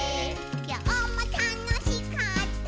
「きょうもたのしかったね」